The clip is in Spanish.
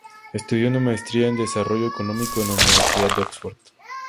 Estudió una Maestría en Desarrollo Económico en la Universidad de Oxford.